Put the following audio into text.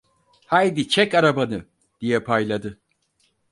Haydi çek arabanı! diye payladı.